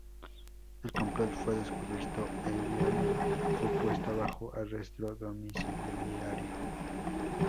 El complot fue descubierto e Irene fue puesta bajo arresto domiciliario.